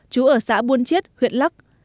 chú ở xã buôn chiết huyện lắc